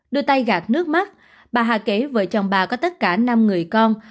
đôi tay gạt nước mắt bà hạ kể vợ chồng bà có tất cả năm người con